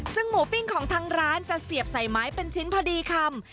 ซึ่งหมูปิ้งของทางร้านจะเสียบใส่ไม้เป็นชิ้นพอดีคำ